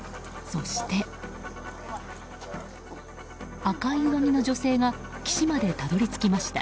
そして、赤い上着の女性が岸までたどり着きました。